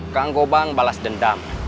kang gobang balas dendam